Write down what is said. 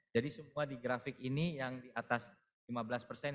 jadi semua di grafik ini yang di atas ini